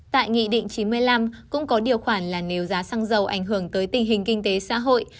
tại nghị định chín mươi năm cũng có điều khoản là nếu giá xăng dầu ảnh hưởng tới tình hình kinh tế xã hội